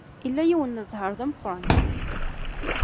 Ila yiwen n zzheṛ d ameqran.